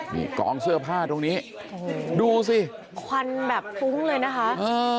นี่กองเสื้อผ้าตรงนี้ดูสิควันแบบฟุ้งเลยนะคะเออ